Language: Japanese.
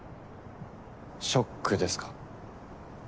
ショックですか。